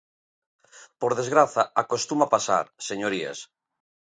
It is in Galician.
Por desgraza, acostuma pasar, señorías.